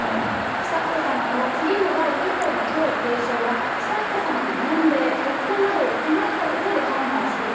悠仁さまの次の代以降の皇位継承は、悠仁さまの年齢、結婚などを踏まえたうえで判断すべき。